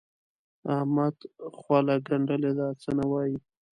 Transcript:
احمد خوله ګنډلې ده؛ څه نه وايي.